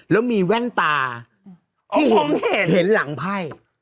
แล้วมีแว่นตาที่เห็นหลังไพ่